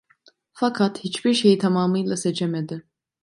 Fakat hiçbir şeyi tamamıyla seçemedi.